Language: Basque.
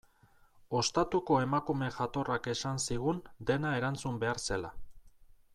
Ostatuko emakume jatorrak esan zigun dena erantzun behar zela.